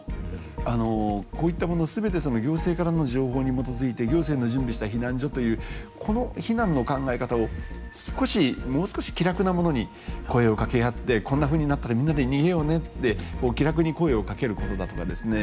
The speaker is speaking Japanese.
あのこういったもの全て行政からの情報に基づいて行政の準備した避難所というこの避難の考え方を少しもう少し気楽なものに声をかけ合ってこんなふうになったらみんなで逃げようねって気楽に声をかけることだとかですね